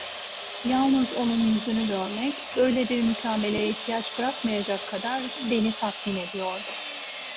Yalnız onun yüzünü görmek, böyle bir mükalemeye ihtiyaç bırakmayacak kadar beni tatmin ediyordu.